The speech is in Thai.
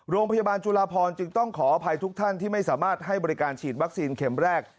โรงพยาบาลจุลาพรจึงต้องขออภัยทุกท่านที่ไม่สามารถให้บริการฉีดวัคซีนเข็มแรก